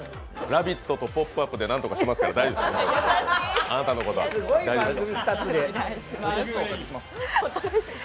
「ラヴィット！」と「ポップＵＰ！」で何とかしますから大丈夫です。